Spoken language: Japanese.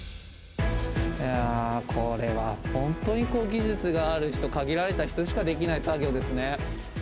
これは本当に技術がある人限られた人しかできない作業ですね。